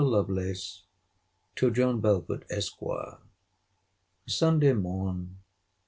LOVELACE, TO JOHN BELFORD, ESQ. SUNDAY MORN.